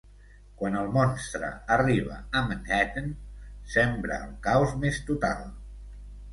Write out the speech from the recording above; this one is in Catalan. Quan el monstre arriba a Manhattan, sembra el caos més total.